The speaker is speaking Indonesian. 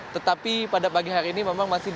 tetapi pada pagi hari ini memang masih